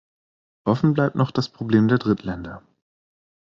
Offen bleibt noch das Problem der Drittländer.